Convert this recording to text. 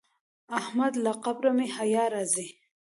احمد له قبره مې حیا راځي.